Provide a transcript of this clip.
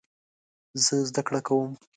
زه زده کړه کوم